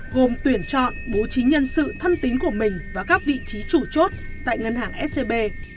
gồm tuyển chọn bố trí nhân sự thân tính của mình và các vị trí chủ chốt tại ngân hàng scb